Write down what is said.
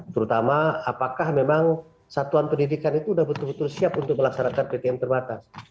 terutama apakah memang satuan pendidikan itu sudah betul betul siap untuk melaksanakan ptm terbatas